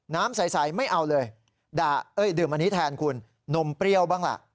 น้ำใสไม่เอาเลยดื่มอันนี้แทนคุณนมเปรี้ยวบ้างล่ะ